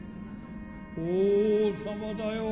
法皇様だよ。